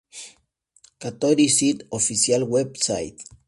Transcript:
Katori City Official Web Site